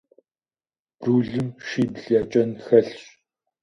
Брулым шибл я кӀэн хэлъщ.